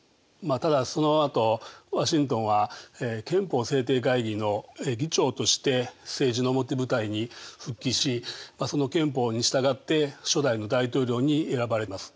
ただそのあとワシントンは憲法制定会議の議長として政治の表舞台に復帰しその憲法に従って初代の大統領に選ばれます。